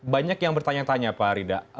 banyak yang bertanya tanya pak rida